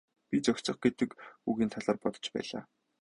Би зохицох гэдэг үгийн талаар бодож байлаа.